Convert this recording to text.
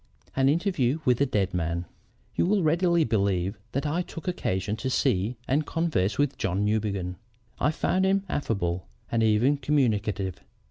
AN INTERVIEW WITH A DEAD MAN "You will readily believe that I took occasion to see and converse with John Newbegin. I found him affable and even communicative.